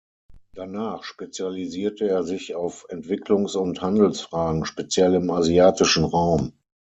Danach spezialisierte er sich auf Entwicklungs- und Handelsfragen, speziell im asiatischen Raum.